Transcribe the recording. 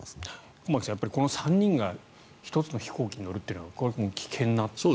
駒木さん、この３人が１つの飛行機に乗るのはこれは危険なこと。